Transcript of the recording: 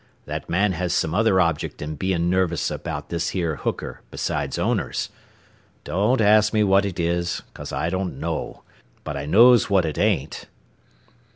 That man has some other object in bein' nervous about this here hooker besides owners. Don't ask me what it is, 'cause I don't know. But I knows what it ain't."